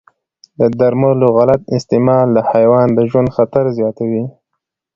د درملو غلط استعمال د حیوان د ژوند خطر زیاتوي.